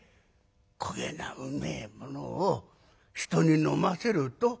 こげなうめえものを人に飲ませると身を滅ぼす。